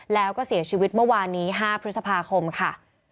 แล้วก็เสียชีวิตเมื่อวานนี้๕พฤษภาคมค่ะ